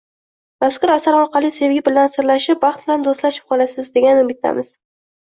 Mazkur asar orqali sevgi bilan sirlashib, baxt bilan do‘stlashib qolasiz, degan umiddamiz